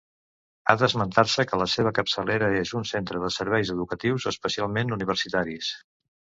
Ha d'esmentar-se que la seva capçalera és un centre de serveis educatius, especialment universitaris.